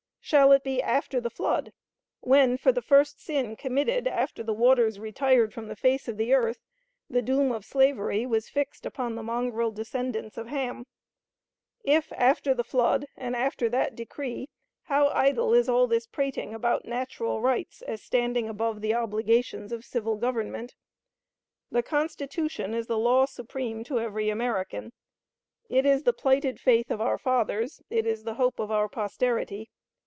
Shall it be after the flood, when, for the first sin committed after the waters retired from the face of the earth, the doom of slavery was fixed upon the mongrel descendants of Ham? If after the flood, and after that decree, how idle is all this prating about natural rights as standing above the obligations of civil government! The Constitution is the law supreme to every American. It is the plighted faith of our fathers; it is the hope of our posterity.